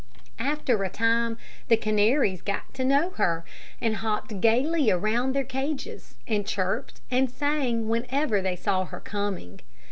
After a time the canaries got to know her, and hopped gayly around their cages, and chirped and sang whenever they saw her coming.